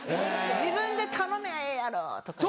「自分で頼みゃええやろ」とか。